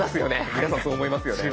皆さんそう思いますよね。